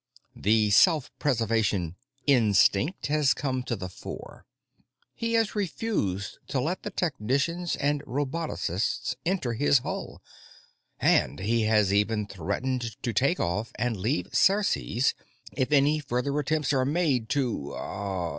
The self preservation 'instinct' has come to the fore. He has refused to let the technicians and robotocists enter his hull, and he has threatened to take off and leave Ceres if any further attempts are made to